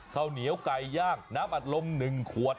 ข้าวเหนียวไก่ย่างน้ำอัดลม๑ขวด